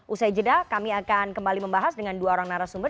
usai jeda kami akan kembali membahas dengan dua orang narasumber